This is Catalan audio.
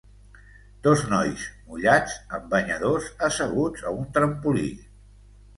Dos nois mullats amb banyadors asseguts a un trampolí